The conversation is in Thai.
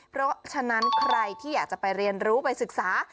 เพราะฉะนั้นใครที่อยากจะไปเรียนรู้ไปศึกษา